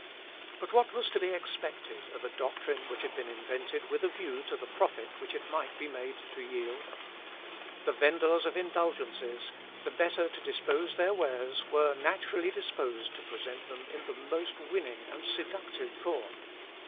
But what was to be expected of a doctrine which had been invented with a view to the profit which it might be made to yield? The venders of indulgences, the better to dispose of their wares, were naturally disposed to present them in the most winning and seductive form.